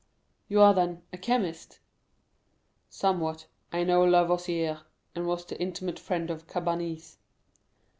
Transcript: "You are, then, a chemist?" "Somewhat; I know Lavoisier, and was the intimate friend of Cabanis."